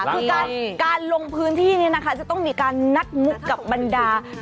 คือการลงพื้นที่นี้นะคะจะต้องมีการนัดมุกกับบรรดา